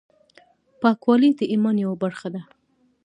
پاکوالی د ایمان یوه برخه ده۔